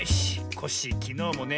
コッシーきのうもね